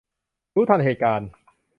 รู้ทันเหตุการณ์